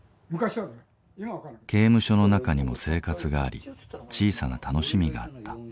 刑務所の中にも生活があり小さな楽しみがあった。